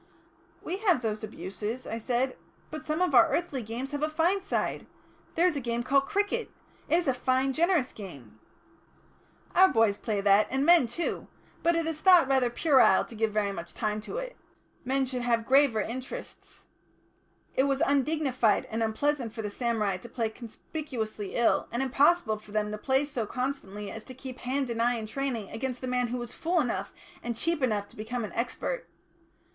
"We have those abuses," I said, "but some of our earthly games have a fine side. There is a game called cricket. It is a fine, generous game." "Our boys play that, and men too. But it is thought rather puerile to give very much time to it; men should have graver interests. It was undignified and unpleasant for the samurai to play conspicuously ill, and impossible for them to play so constantly as to keep hand and eye in training against the man who was fool enough and cheap enough to become an expert.